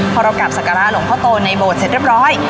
พอเรากลับสักการะหลวงพ่อโตในโบสถเสร็จเรียบร้อย